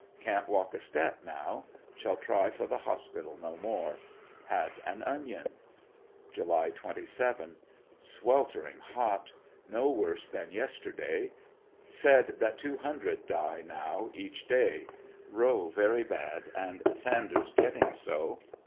Can't walk a step now. Shall try for the hospital no more. Had an onion. July 27. — Sweltering hot. No worse than yesterday. Said that two hundred die now each day Rowe very bad and Sanders get ting so.